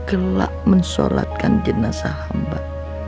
gelap mensolatkan jenazah hamba